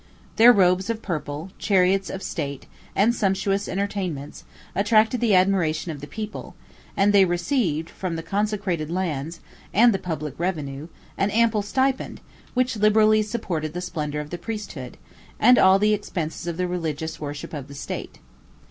Their robes of purple, chariotz of state, and sumptuous entertainments, attracted the admiration of the people; and they received, from the consecrated lands, and the public revenue, an ample stipend, which liberally supported the splendor of the priesthood, and all the expenses of the religious worship of the state.